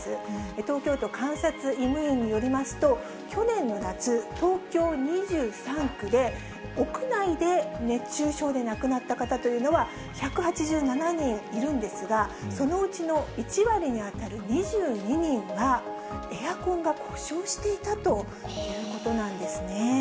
東京都監察医務院によりますと、去年の夏、東京２３区で屋内で熱中症で亡くなった方というのは１８７人いるんですが、そのうちの１割に当たる２２人は、エアコンが故障していたということなんですね。